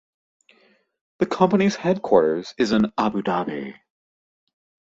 The company's headquarters is in Abu Dhabi.